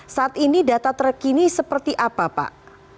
saat ini data terkini seperti apa pak